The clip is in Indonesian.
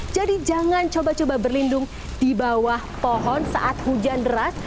jadi jangan coba coba berlindung di bawah pohon saat hujan deras